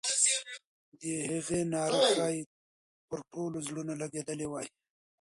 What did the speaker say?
د هغې ناره ښایي پر ټولو زړونو لګېدلې وای.